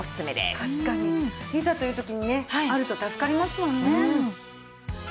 いざという時にねあると助かりますもんね。